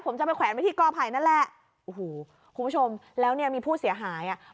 ผมจะไปแขวนไว้ที่กอไผ่นั่นแหละโอ้โหคุณผู้ชมแล้วเนี่ยมีผู้เสียหายอ่ะ